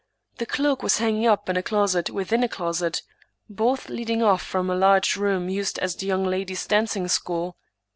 The cloak was hanging up in a. closet within a closet, both leading off from a large room used as the young ladies* dancing school.